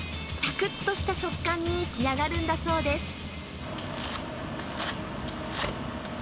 さくっとした食感に仕上がるんだそうです。